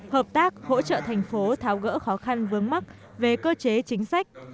hợp tác hỗ trợ thành phố tháo gỡ khó khăn vướng mắt về cơ chế chính sách